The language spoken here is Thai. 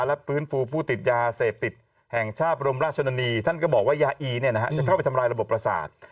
และฟื้นฟูผู้ติดยาเสพติดแห่งชาติบรมราชนีท่านก็บอกว่ายาอีจะเข้าไปทำลายระบบประสาท